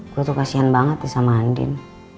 gua tuh kasian banget sama andin